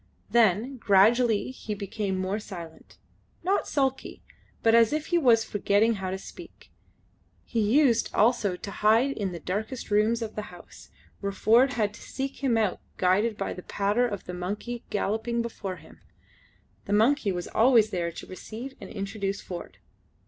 Then gradually he became more silent not sulkily but as if he was forgetting how to speak. He used also to hide in the darkest rooms of the house, where Ford had to seek him out guided by the patter of the monkey galloping before him. The monkey was always there to receive and introduce Ford.